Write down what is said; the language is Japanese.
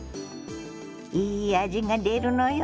いい味が出るのよ。